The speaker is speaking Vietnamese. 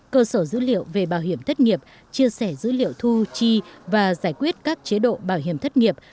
cơ sở dữ liệu về bảo hiểm thất nghiệp chia sẻ dữ liệu thu chi và giải quyết các chế độ bảo hiểm thất nghiệp